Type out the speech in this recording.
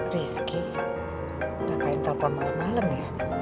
rizky udah pengen tau panggung malem malem ya